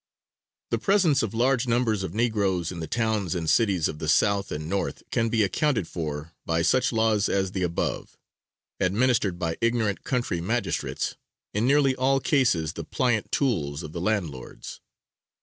The presence of large numbers of negroes in the towns and cities of the South and North can be accounted for by such laws as the above, administered by ignorant country magistrates, in nearly all cases the pliant tools of the landlords.